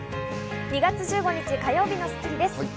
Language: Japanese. ２月１５日、火曜日の『スッキリ』です。